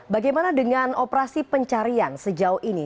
bagaimana dengan operasi pencarian sejauh ini